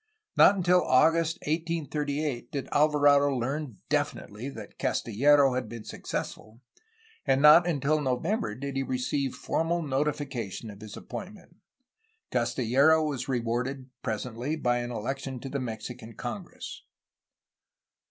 Not until August 1838 did Alvarado learn definitely that Cas 478 A HISTORY OF CALIFORNIA tillero had been successful, and not until November did he receive formal notification of his appointment. Castillero was rewarded presently by an election to the Mexican congress.